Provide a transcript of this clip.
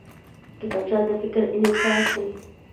کتابچه د فکر انعکاس دی